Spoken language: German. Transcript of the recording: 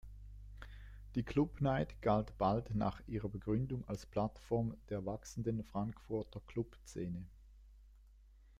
Die Clubnight galt bald nach ihrer Gründung als Plattform der wachsenden Frankfurter Clubszene.